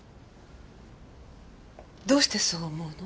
どうしてそう思うの？